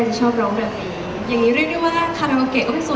มีปิดฟงปิดไฟแล้วถือเค้กขึ้นมา